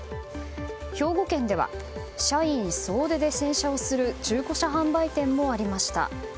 兵庫県では社員総出で洗車をする中古車販売店もありました。